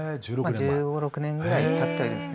１５１６年ぐらいたってるんですね。